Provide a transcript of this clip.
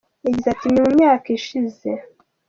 Yagize ati “Ni mu myaka ishize.